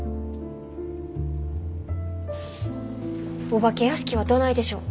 お化け屋敷はどないでしょう？